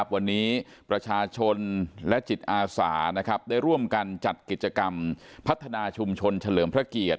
วันนี้ประชาชนและจิตอาสาได้ร่วมกันจัดกิจกรรมพัฒนาชุมชนเฉลิมพระเกียรติ